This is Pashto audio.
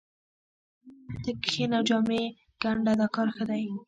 ته کښېنه او جامې ګنډه دا کار ښه دی